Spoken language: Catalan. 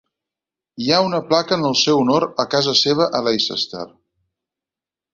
Hi ha una placa en el seu honor a casa seva a Leicester.